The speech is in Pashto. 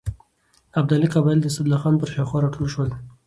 ابدالي قبایل د اسدالله خان پر شاوخوا راټول شول.